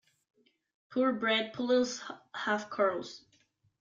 Pure bred poodles have curls.